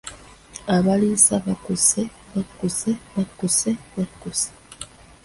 Abaliisa bakkuse, bakkuse bakkuse bakkuse.